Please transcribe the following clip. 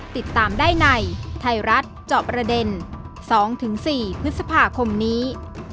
ติดตามได้ในไทยรัฐเจาะประเด็น๒๔พฤษภาคมนี้